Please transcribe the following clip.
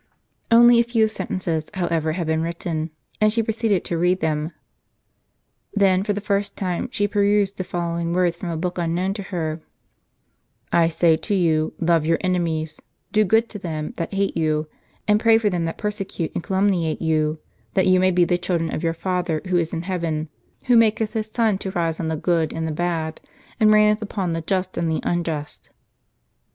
Only a few sentences, however, had been writ ten, and she proceeded to read them. Then for the first time she perused the following words from a book unknown to her : "I say to you, love your enemies; do good to them that hate you, and pray for them that persecute and calumniate you : that you may be the children of your Father who is in heaven, who maketh his sun to rise on the good and the bad, and raineth upon the just and the unjust."